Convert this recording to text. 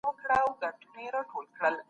احمد کتاب واخیستی او له خوني څخه بهر ولاړی.